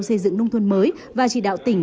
xây dựng nông thuần mới và chỉ đạo tỉnh